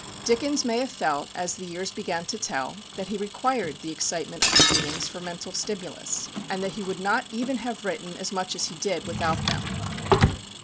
Dickens may have felt, as the years began to tell, that he required the excitement of the readings for mental stimulus, and that he would not even have written as much as he did without them.